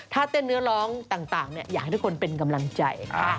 ถ้าเต้นเนื้อร้องต่างอยากให้ทุกคนเป็นกำลังใจ